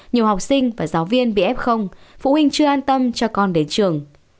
nhiều học sinh và giáo viên bị ép không phụ huynh chưa an tâm cho con đến trường